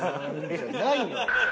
じゃないよ。